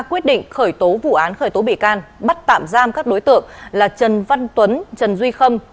quyết định khởi tố vụ án khởi tố bị can bắt tạm giam các đối tượng là trần văn tuấn trần duy khâm